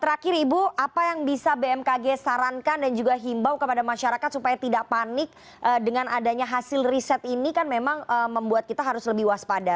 terakhir ibu apa yang bisa bmkg sarankan dan juga himbau kepada masyarakat supaya tidak panik dengan adanya hasil riset ini kan memang membuat kita harus lebih waspada